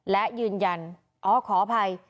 และยืนยันอ๋อขออภัย